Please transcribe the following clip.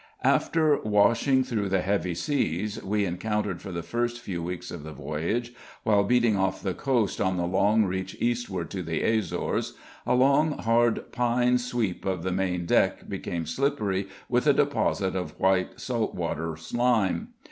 After washing through the heavy seas we encountered for the first few weeks of the voyage, while beating off the coast on the long reach eastward to the Azores, the long hard pine sweep of the main deck became slippery with a deposit of white salt water slime.